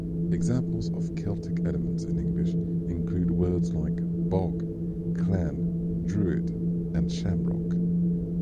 Examples of Celtic elements in English include words like "bog," "clan," "druid," and "shamrock."